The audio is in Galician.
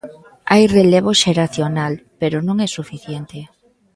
Hai relevo xeracional, pero non é suficiente.